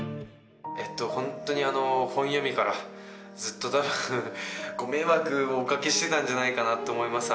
ホントに本読みからずっと多分ご迷惑をお掛けしてたんじゃないかなと思います。